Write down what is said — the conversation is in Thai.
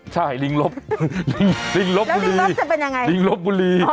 ใช่ลิงลบลิงลบบุรี